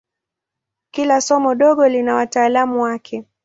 Kila somo dogo lina wataalamu wake.